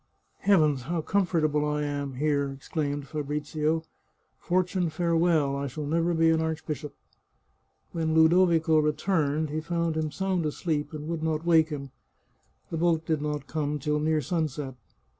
" Heavens ! how comfortable I am here !" exclaimed Fabrizio ;" for tune, farewell! I shall never be an archbishop." When Ludovico returned he found him sound asleep, 209 The Chartreuse of Parma and would not wake him. The boat did not come till near sunset.